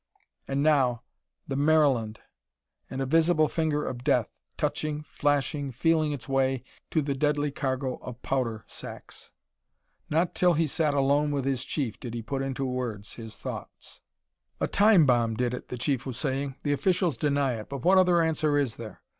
And now the Maryland! And a visible finger of death touching, flashing, feeling its way to the deadly cargo of powder sacks. Not till he sat alone with his chief did he put into words his thoughts. "A time bomb did it," the Chief was saying. "The officials deny it, but what other answer is there?